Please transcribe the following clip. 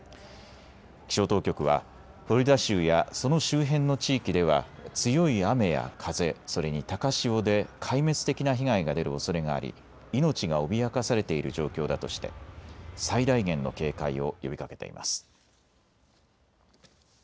気象当局はフロリダ州やその周辺の地域では強い雨や風、それに高潮で壊滅的な被害が出るおそれがあり命が脅かされている状況だとして最大限の警戒を呼びかけています。